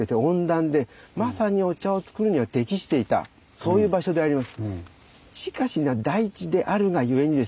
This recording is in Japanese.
そういう場所であります。